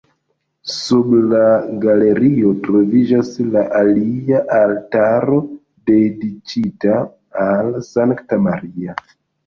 Sub la galerio troviĝas la alia altaro dediĉita al Sankta Maria.